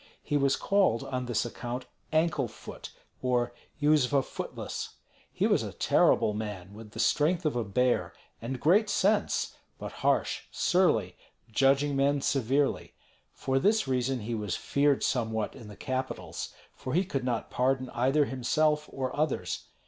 He was called on this account Ankle foot, or Yuzva Footless. He was a terrible man, with the strength of a bear, and great sense, but harsh, surly, judging men severely. For this reason he was feared somewhat in the capitals, for he could not pardon either himself or others.